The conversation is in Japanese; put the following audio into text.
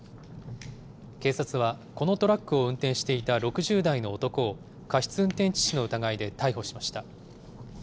警察はこのトラックを運転していた６０代の男を、過失運転致死の疑いで逮捕しました。